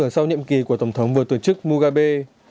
sau nhiệm kỳ của tổng thống vừa tổ chức mohabe